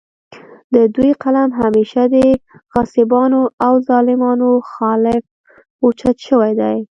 د دوي قلم همېشه د غاصبانو او ظالمانو خالف اوچت شوے دے